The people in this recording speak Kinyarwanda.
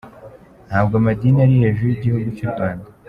Ntabwo amadini ari hejuru y’igihugu cy’u Rwanda.